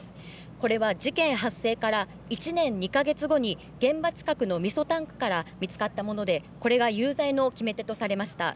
これは事件発生から１年２か月後に現場近くのみそタンクから見つかったものでこれが有罪の決め手とされました。